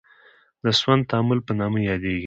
د سون تعامل په نامه یادیږي.